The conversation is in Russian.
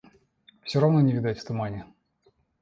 Все равно не видать в тумане.